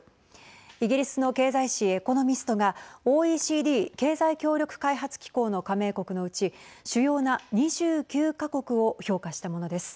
イギリスの経済誌エコノミストがＯＥＣＤ＝経済協力開発機構の加盟国のうち主要な２９か国を評価したものです。